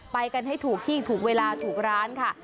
ไปกันให้ถูกที่ถูกเวลาถูกร้านค่ะ